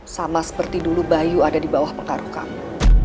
sama seperti dulu bayu ada di bawah pengaruh kamu